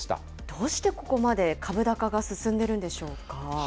どうしてここまで株高が進んでるんでしょうか。